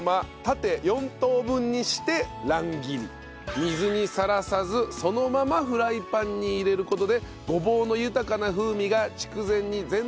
水にさらさずそのままフライパンに入れる事でごぼうの豊かな風味が筑前煮全体に広がると。